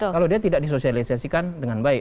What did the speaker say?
kalau dia tidak disosialisasikan dengan baik